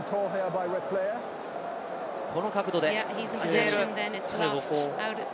この角度で。